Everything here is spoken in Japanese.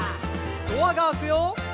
「ドアが開くよ」